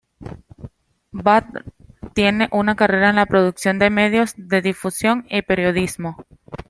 Badr tiene una carrera en la producción de medios de difusión y periodismo.